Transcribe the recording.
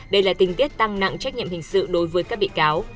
đây là tình tiết tăng nặng trách nhiệm hình sự đối với các bị cáo